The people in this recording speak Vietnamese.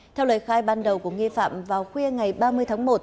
theo lời khai ban đầu của nghi phạm vào khuya ngày ba mươi tháng một